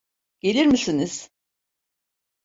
Gelir misiniz?